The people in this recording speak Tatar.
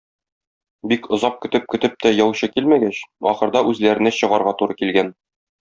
Бик озак көтеп-көтеп тә яучы килмәгәч, ахырда үзләренә чыгарга туры килгән.